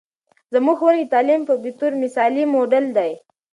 زموږ ښوونکې د تعلیم په بطور مثالي موډل دی.